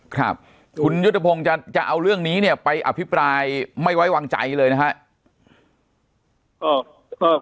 ครับคุณยุทธพงศ์จะเอาเรื่องนี้เนี่ยไปอภิปรายไม่ไว้วางใจเลยนะครับ